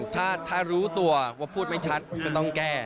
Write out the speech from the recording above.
ถ้ารู้ตัวว่าพูดไม่ชัดก็ต้องแก้